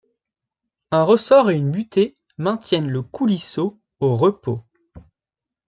Un ressort et une butée maintiennent le coulisseau au repos.